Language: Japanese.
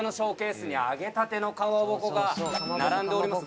スには揚げたてのかまぼこが並んでおります。